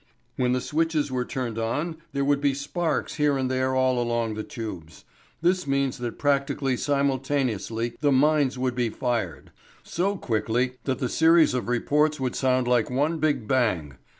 When the switches were turned on there would be sparks here and there all along the tubes. This means that practically simultaneously the mines would be fired; fired so quickly that the series of reports would sound like one big bang.